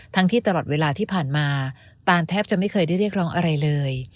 ที่ตลอดเวลาที่ผ่านมาตานแทบจะไม่เคยได้เรียกร้องอะไรเลย